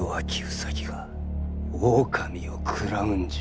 兎が狼を食らうんじゃ。